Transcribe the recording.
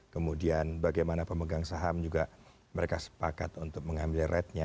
kemudian bagaimana pemegang saham juga mereka sepakat untuk mengambil rednya